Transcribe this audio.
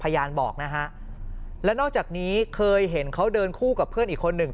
พยานบอกนะฮะแล้วนอกจากนี้เคยเห็นเขาเดินคู่กับเพื่อนอีกคนหนึ่ง